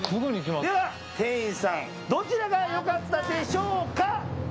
では、店員さんどちらが良かったでしょうか。